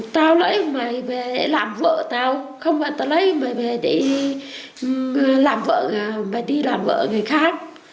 tao lấy mày về làm vợ tao không phải tao lấy mày về đi làm vợ người khác